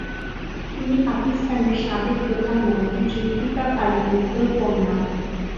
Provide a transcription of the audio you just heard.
তিনি পাকিস্তানের সাবেক প্রধানমন্ত্রী জুলফিকার আলী ভুট্টোর কন্যা।